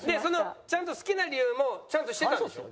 ちゃんと好きな理由もちゃんとしてたんでしょ？